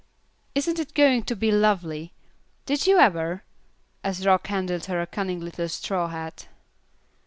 Isn't it going to be lovely? Did you ever?" as Rock handed her a cunning little straw hat.